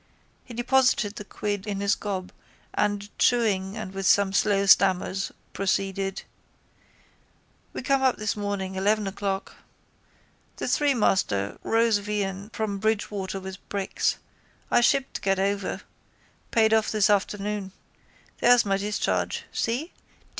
He deposited the quid in his gob and, chewing and with some slow stammers, proceeded: —We come up this morning eleven o'clock. The threemaster Rosevean from Bridgwater with bricks. I shipped to get over. Paid off this afternoon. There's my discharge. See?